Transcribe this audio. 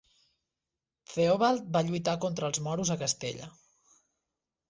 Theobald va lluitar contra els moros a Castella.